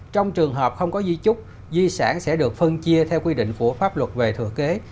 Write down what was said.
trong trường hợp không có di trúc di sản sẽ được phân chia theo quy định của pháp luật về thừa kế